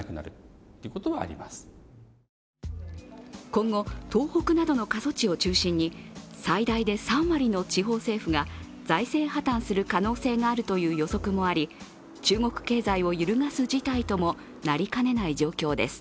今後、東北などの過疎地を中心に最大で３割の地方政府が財政破綻する可能性があるという予測もあり中国経済を揺るがす事態ともなりかねない状況です。